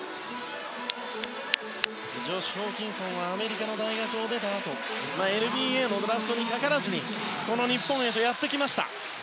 ジョシュ・ホーキンソンはアメリカの大学を出たあとＮＢＡのドラフトにかからずに日本へとやってきました。